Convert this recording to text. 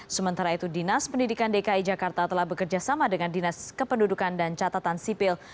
sementara itu dinas pendidikan dki jakarta telah bekerjasama dengan dinas kependudukan dan catatan sipil